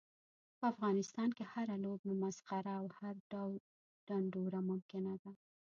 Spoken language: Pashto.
په افغانستان کې هره لوبه، مسخره او هر ډول ډنډوره ممکنه ده.